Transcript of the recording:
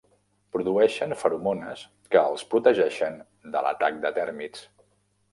Produeixen feromones que els protegeixen de l'atac de tèrmits.